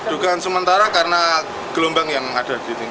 tuguhan sementara karena gelombang yang ada di sini